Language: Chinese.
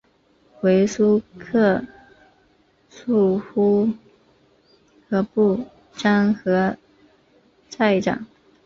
为苏克素护河部沾河寨长。